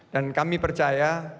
dan kami percaya